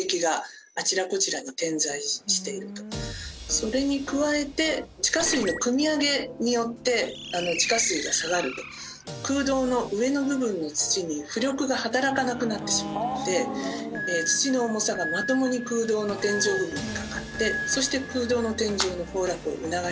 それに加えて地下水のくみ上げによって地下水が下がると空洞の上の部分の土に浮力が働かなくなってしまって土の重さがまともに空洞の天井部分にかかってそして空洞の天井の崩落を促してしまうと。